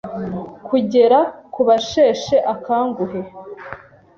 kugera ku basheshe akanguhe